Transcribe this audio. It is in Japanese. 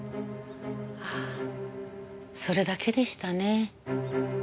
ああそれだけでしたね。